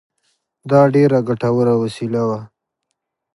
دا ډېره ګټوره وسیله وه